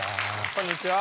こんにちは。